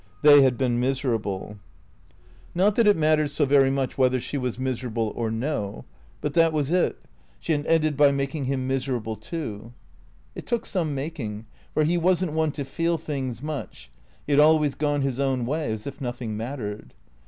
They had been miserable. 31 500 THEGEEATORS Not that it mattered so very much whether she was miserable or no. But that was it ; she had ended by making him miserable too. It took some making ; for he was n't one to feel things much ; he had always gone his own way as if nothing mattered.